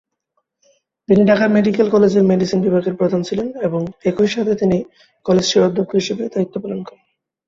তিনি ঢাকা মেডিকেল কলেজের মেডিসিন বিভাগের প্রধান ছিলেন, এবং একই সাথে তিনি কলেজটির অধ্যক্ষ হিসেবে দায়িত্ব পালন করেন।